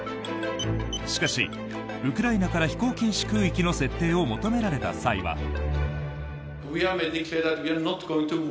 しかし、ウクライナから飛行禁止空域の設定を求められた際は。